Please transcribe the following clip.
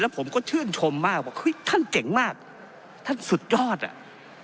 ผมก็ชื่นชมมากว่าเฮ้ยท่านเจ๋งมากท่านสุดยอดอ่ะ